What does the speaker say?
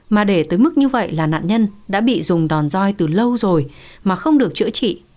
mà để tới mức như vậy là nạn nhân đã bị dùng đòn roi từ lâu rồi mà không được chữa trị